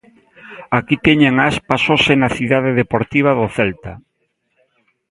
Aquí teñen a Aspas hoxe na Cidade Deportiva do Celta.